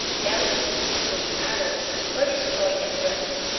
fidelity, including arrows, were destroyed and burnt.